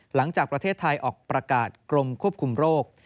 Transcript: หลังจากประเทศไทยออกประกาศกรมควบคุมโรค